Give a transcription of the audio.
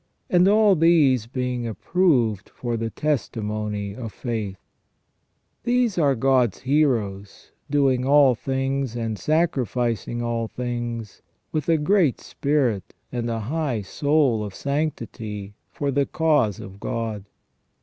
And all these being approved for the tes timony of faith." These are God's heroes, doing all things and sacrificing all things, with a great spirit and a high soul of sanctity, for the cause of God.